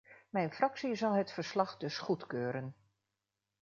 Mijn fractie zal het verslag dus goedkeuren.